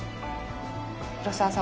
広沢さん